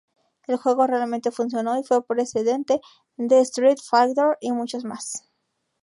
El juego realmente funcionó y fue precedente de Street Fighter y muchos más.